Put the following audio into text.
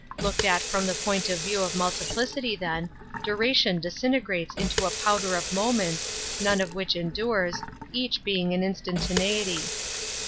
Looked at from the point of view of multi plicity, then, duration disintegrates into a powder of moments, none of which endures, each being an instantaneity.